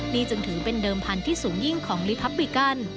นี่จึงถือเป็นเดิมพันธุ์ที่สูงยิ่งของลิพับบิกัน